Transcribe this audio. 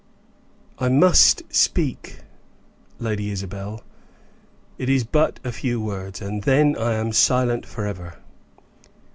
"I must speak, Lady Isabel; it is but a few words, and then I am silent forever.